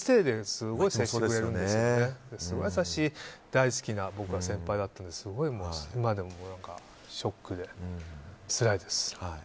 すごい優しい大好きな先輩だったので今でもショックで、つらいです。